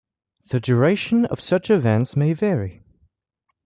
The duration of such events may vary.